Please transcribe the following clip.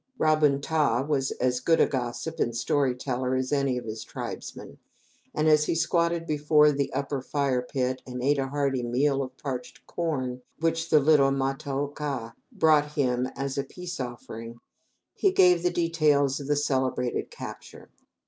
Ra bun ta was as good a gossip and story teller as any of his tribesmen, and as he squatted before the upper fire pit, and ate a hearty meal of parched corn, which the little Ma ta oka brought him as a peace offering, he gave the details of the celebrated capture.